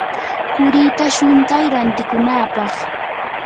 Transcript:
qurita shuntay rantikunapaq.